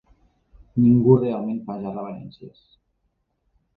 Ningú realment fa ja reverències.